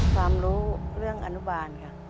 ความรู้เรื่องอนุบาลค่ะ